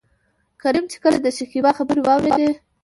کريم چې کله دشکيبا خبرې واورېدې.